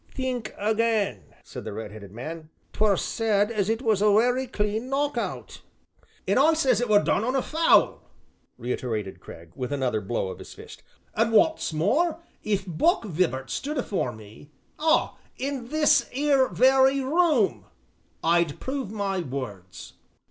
"Think again," said the red headed man, "'t were said as it was a werry clean knock out." "An' I say it were done on a foul," reiterated Cragg, with another blow of his fist, "an' wot's more, if Buck Vibart stood afore me ah, in this 'ere very room, I'd prove my words."